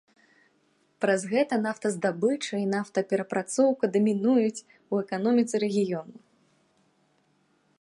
Праз гэта нафтаздабыча і нафтаперапрацоўка дамінуюць у эканоміцы рэгіёну.